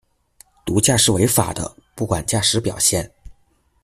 毒驾是违法的，不管驾驶表现。